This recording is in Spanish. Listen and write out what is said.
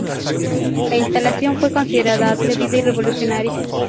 La instalación fue considerada atrevida y revolucionaria.